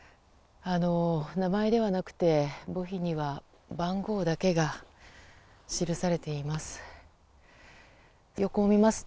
名前ではなくて墓碑には、番号だけが記されています。